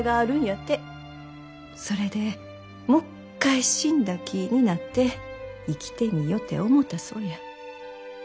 それでもっかい死んだ気になって生きてみよて思たそうや。